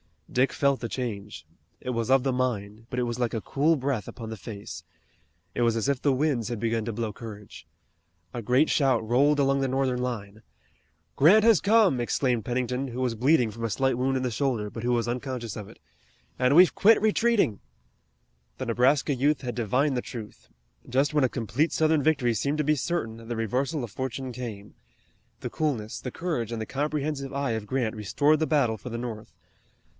Dick felt the change. It was of the mind, but it was like a cool breath upon the face. It was as if the winds had begun to blow courage. A great shout rolled along the Northern line. "Grant has come!" exclaimed Pennington, who was bleeding from a slight wound in the shoulder, but who was unconscious of it. "And we've quit retreating!" The Nebraska youth had divined the truth. Just when a complete Southern victory seemed to be certain the reversal of fortune came. The coolness, the courage, and the comprehensive eye of Grant restored the battle for the North.